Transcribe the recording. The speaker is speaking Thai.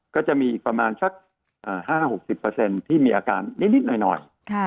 ก็จะมีอีกประมาณสัก๕๖๐ที่มีอาการนิดหน่อย